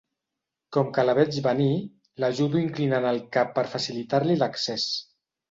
Com que la veig venir l'ajudo inclinant el cap per facilitar-li l'accés.